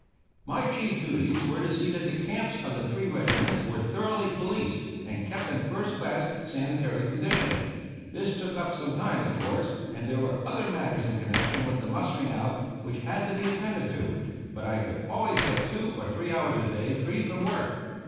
My chief duties were to see that the camps of the three regiments were thoroughly policed and kept in first class sanitary condition. This took up some time, of course, and there were other matters in connection with the mustering out which had to be attended to; but I could always get two or three hours a day free from work.